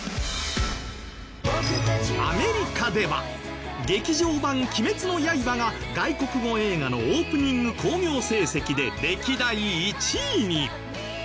アメリカでは劇場版『鬼滅の刃』が外国語映画のオープニング興行成績で歴代１位に。